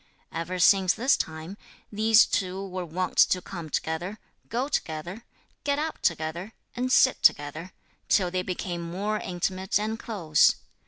Ever since this time, these two were wont to come together, go together, get up together, and sit together, till they became more intimate and close.